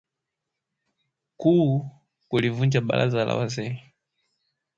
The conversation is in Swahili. Kuu ya kulivunja Baraza la wazee